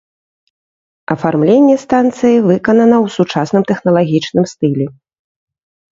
Афармленне станцыі выканана ў сучасным тэхналагічным стылі.